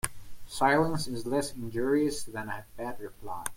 Silence is less injurious than a bad reply.